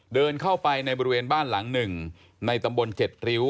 เดินเข้าไปในบริเวณบ้านหลังหนึ่งในตำบล๗ริ้ว